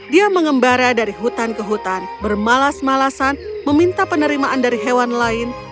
dia mengembara dari hutan ke hutan bermalas malasan meminta penerimaan dari hewan lain